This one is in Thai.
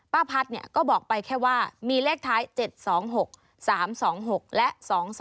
พัฒน์ก็บอกไปแค่ว่ามีเลขท้าย๗๒๖๓๒๖และ๒๒